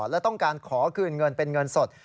และต้องการขอคืนเงินเป็นเงินสด